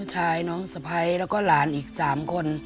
น้องชายน้องสะพัยแล้วก็หลานอีก๓คน